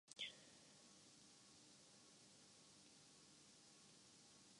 وہ انسانوں میں چھپی تجلی کو بھی دیکھ سکتی ہیں